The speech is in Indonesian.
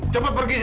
cepet pergi dong